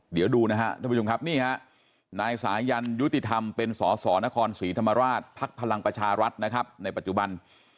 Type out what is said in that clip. เดี๋ยวดูนะครับท่านผู้ชมครับนี่ฮะนายสายันยุติธรรมเป็นสอสอนครศรีธรรมราชภักดิ์พลังประชารัฐนะครับในปัจจุบัน